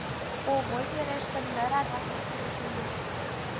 — Овой верештын дыр, — адак воштылеш Улю.